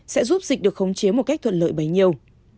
sẽ giúp dịch được khống chế một cách thuận lợi bấy nhiêu